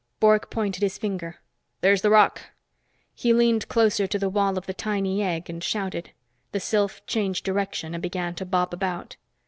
Bork pointed his finger. "There's the roc!" He leaned closer to the wall of the tiny egg and shouted. The sylph changed direction, and began to bob about.